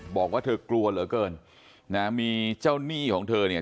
บอกว่าเธอกลัวเหลือเกินนะมีเจ้าหนี้ของเธอเนี่ย